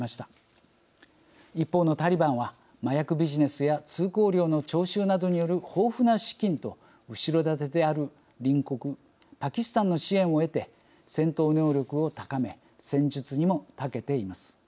一方のタリバンは麻薬ビジネスや通行料の徴収などによる豊富な資金と後ろ盾である隣国パキスタンの支援を得て戦闘能力を高め戦術にもたけています。